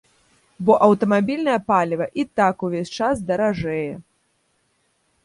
Бо аўтамабільнае паліва і так увесь час даражэе!